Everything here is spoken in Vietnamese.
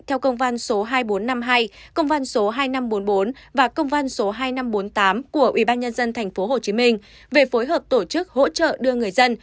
theo công văn số hai nghìn bốn trăm năm mươi hai công văn số hai nghìn năm trăm bốn mươi bốn và công văn số hai nghìn năm trăm bốn mươi tám của ubnd tp hcm về phối hợp tổ chức hỗ trợ đưa người dân